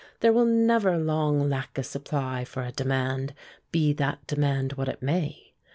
There will never long lack a supply for a demand, be that demand what it may.